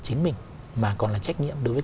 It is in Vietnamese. chính mình mà còn là trách nhiệm đối với